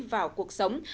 vào cuộc sống